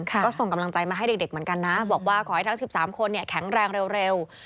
ก็ส่งกำลังใจมาให้เด็กเหมือนกันนะบอกว่าขอให้ทั้ง๑๓คนแข็งแรงเร็ว